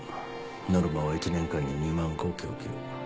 ノルマは一年間に２万戸供給。